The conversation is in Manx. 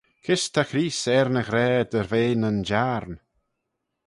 Kys ta Creest er ny ghra dy ve nyn jiarn?